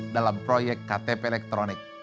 dalam proyek ktp elektronik